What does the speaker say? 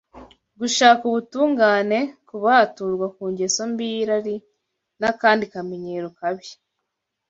gushaka ubutungane, kubaturwa ku ngeso mbi y’irari n’akandi kamenyero kabi.